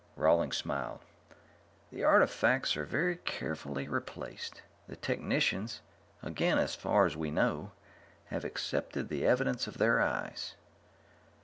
Rawlings smiled. "The artifacts are very carefully replaced. The technicians again, as far as we know have accepted the evidence of their eyes."